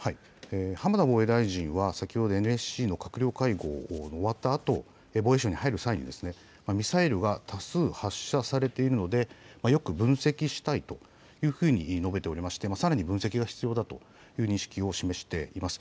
浜田防衛大臣は先ほどＮＳＣの閣僚会合が終わったあと、防衛省に入る際に、ミサイルは多数発射されているので、よく分析したいというふうに述べておりまして、さらに分析が必要だとの認識を示しています。